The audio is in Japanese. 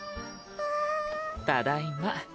ただいま。